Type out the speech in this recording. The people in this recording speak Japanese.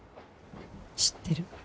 知ってる。